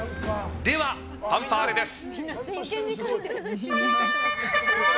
では、ファンファーレです。